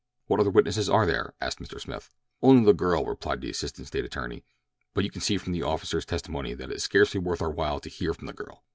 "What other witnesses are there?" asked Mr. Smith. "Only the girl," replied the assistant State attorney; "but you can see from the officer's testimony that it is scarcely worth our while to hear from the girl.